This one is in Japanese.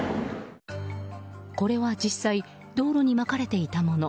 これは実際道路にまかれていたもの。